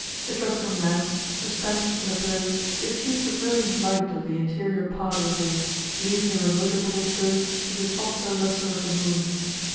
Etruscan lamps, suspended from the pillars, diffused a brilliant light over the interior part of the hall, leaving the remoter porticos to the softer lustre of the moon.